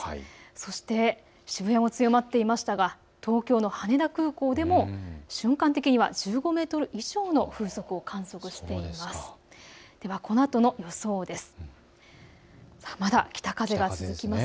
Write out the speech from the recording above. そして渋谷も強まっていましたが東京の羽田空港でも瞬間的には１５メートル以上の風速を観測しています。